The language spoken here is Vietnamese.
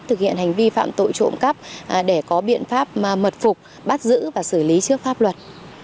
thực hiện hành vi phạm tội trộm cắp để có biện pháp mật phục bắt giữ và xử lý trước pháp luật